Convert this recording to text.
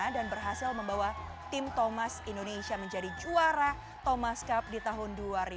dan berhasil membawa tim thomas indonesia menjadi juara thomas cup di tahun dua ribu dua puluh